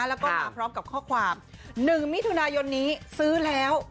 แล้วก็มาพร้อมกับข้อความ๑มิถุนายนนี้ซื้อแล้ว